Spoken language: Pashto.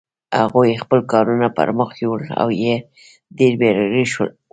هغوی خپل کارونه پر مخ یوړل او ډېر بریالي شول.